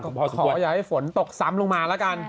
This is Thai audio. ขออย่าให้ฝนตกซ้ำลงมาล่ะกัน